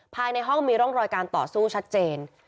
ภายในห้องมีร่องรอยการต่อสู้ชัดเจน